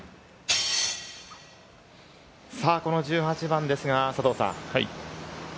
さぁ、この１８番ですが、佐藤さん。